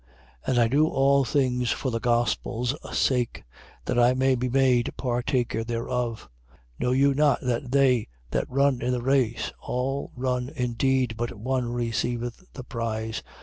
9:23. And I do all things for the gospel's sake, that I may be made partaker thereof. 9:24. Know you not that they that run in the race, all run indeed, but one receiveth the prize.